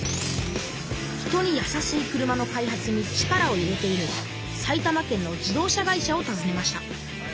人にやさしい車の開発に力を入れている埼玉県の自動車会社をたずねました。